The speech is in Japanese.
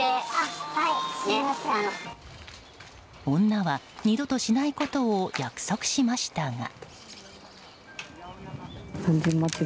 女は二度としないことを約束しましたが。